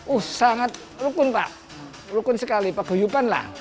uh sangat rukun pak rukun sekali peguyupan lah